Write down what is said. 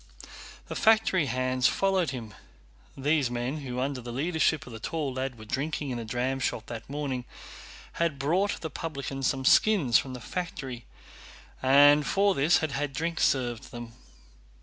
The factory hands followed him. These men, who under the leadership of the tall lad were drinking in the dramshop that morning, had brought the publican some skins from the factory and for this had had drink served them.